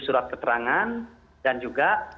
surat keterangan dan juga